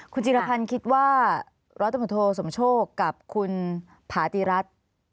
คุณจิรภัณฑ์คิดว่ารัฐมนตร์โทสมโชคกับคุณผาติรัฐ